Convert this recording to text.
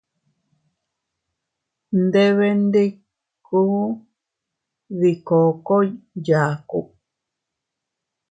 Nndeeebee nndikunn dii kookoy yaaku.